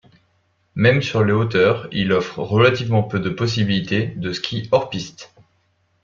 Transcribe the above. Même sur les hauteurs, il offre relativement peu de possibilités de ski hors piste.